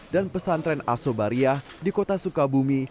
dan pesantren asobariah di kota sukabumi